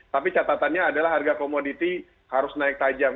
tapi catatannya adalah harga komoditi harus naik tajam